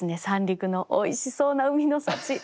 三陸のおいしそうな海の幸。